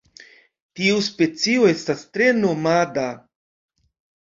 Tiu specio estas tre nomada.